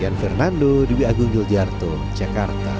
dian fernando di wi agung yogyartung jakarta